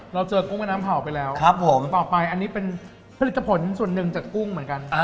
เราเจอกุ้งแม่น้ำเผาไปแล้วครับผมต่อไปอันนี้เป็นผลิตผลส่วนหนึ่งจากกุ้งเหมือนกัน